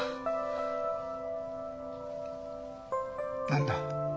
何だ？